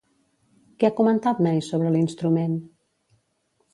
Què ha comentat May sobre l'instrument?